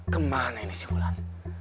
kemana ini sih bulan